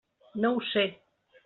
No ho sé!